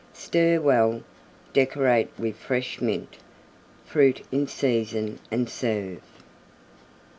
Stir well; decorate with fresh Mint, Fruit in season, and serve.